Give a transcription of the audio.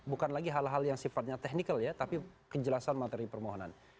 bukan lagi hal hal yang sifatnya technical ya tapi kejelasan materi permohonan